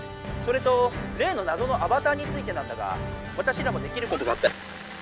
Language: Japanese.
それとれいのなぞのアバターについてなんだが私らもできることがあったら。